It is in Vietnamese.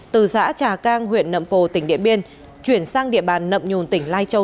từ xã trà cang huyện nậm pồ tỉnh điện biên chuyển sang địa bàn nậm nhùn tỉnh lai châu